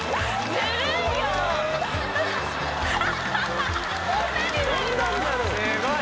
すごい！